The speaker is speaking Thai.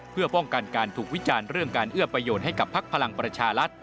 เพื่อป้องกันการถูกวิจารณ์เรื่องการเอื้อประโยชน์ให้กับพักพลังประชารัฐ